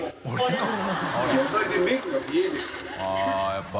△やっぱ。